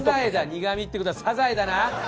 苦みって事はサザエだな？